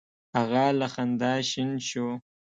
هغه له خندا شین شو: